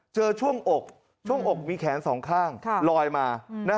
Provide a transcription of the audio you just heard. เจอช่วงอกช่วงอกมีแขนสองข้างลอยมา